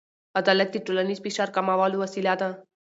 عدالت د ټولنیز فشار کمولو وسیله ده.